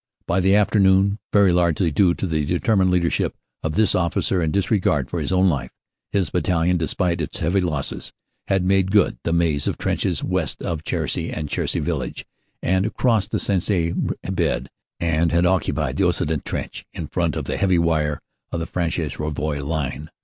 By the afternoon, very largely due to the determined leader ship of this officer and disregard for his own life, his Battalion, despite its heavy losses, had made good the maze of trenches west of Cherisy and Cherisy village, had crossed the Sensee bed, and had occupied the Occident trench in front of the heavy wire of the Fresnes Rouvroy line.